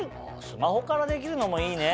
スマホからできるのもいいね。